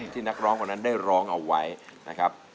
ที่นักร้องคนนั้นได้ร้องเอาไว้นะครับ